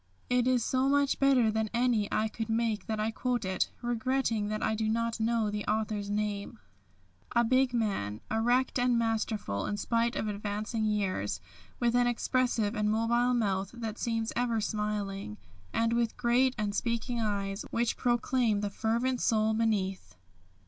It is so much better than any I could make that I quote it, regretting that I do not know the author's name: "A big man, erect and masterful in spite of advancing years, with an expressive and mobile mouth that seems ever smiling, and with great and speaking eyes which proclaim the fervent soul beneath."